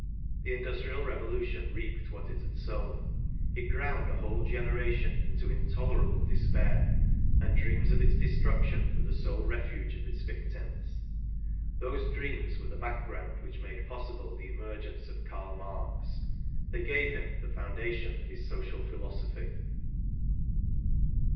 The Industrial Revolution reaped what it had sown. It ground a whole generation into intolerable despair, and dreams of its destruction were the sole refuge of its victims. Those dreams were the background which made possible the emergence of Karl Marx. They gave him the foundation of his social philosophy.